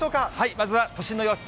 まずは都心の様子。